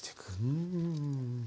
うん。